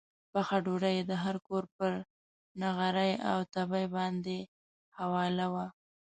پخه ډوډۍ یې د هر کور پر نغري او تبۍ باندې حواله وه.